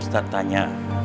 pak ustadz tanya